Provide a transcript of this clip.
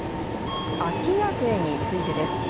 空き家税についてです。